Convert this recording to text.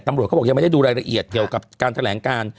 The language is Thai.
ตำรวจเขาบอกยังไม่ได้ดูรายละเอียดเกี่ยวกับการแถลงการ